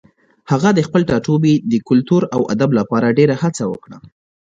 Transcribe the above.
هغه د خپل ټاټوبي د کلتور او ادب لپاره ډېره هڅه وکړه.